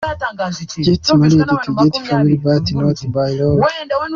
get married to get a family but not by love.